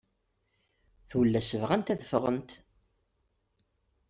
Tullast bɣant ad ffɣent.